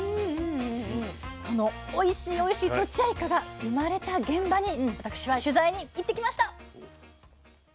そのおいしいおいしいとちあいかが生まれた現場に私は取材に行ってきました。